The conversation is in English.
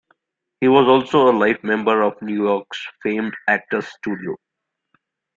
He was also a life member of New York's famed Actors Studio.